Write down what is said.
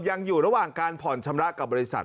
ยังอยู่ระหว่างการผ่อนชำระกับบริษัท